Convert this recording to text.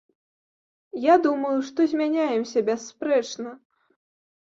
Я думаю, што змяняемся бясспрэчна.